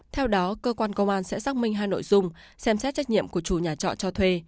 theo đó cơ quan công an sẽ xác minh hai nội dung xem xét trách nhiệm của chủ nhà trọ cho thuê